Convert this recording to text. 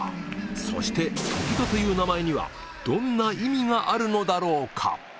そして「ときど」という名前にはどんな意味があるのだろうか？